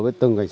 cảm ơn quý vị